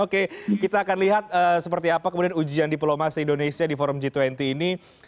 oke kita akan lihat seperti apa kemudian ujian diplomasi indonesia di forum g dua puluh ini